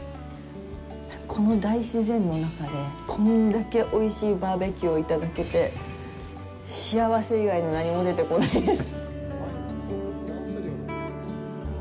この大自然の中でこんだけおいしいバーベキューをいただけて幸せ以外の何も出てこないです。